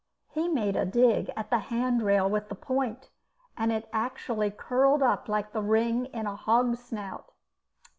He made a dig at the hand rail with the point, and it actually curled up like the ring in a hog's snout.